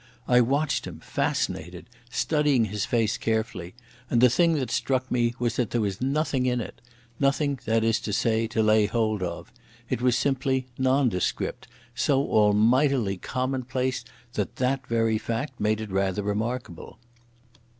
I watched him, fascinated, studying his face carefully; and the thing that struck me was that there was nothing in it—nothing, that is to say, to lay hold on. It was simply nondescript, so almightily commonplace that that very fact made it rather remarkable.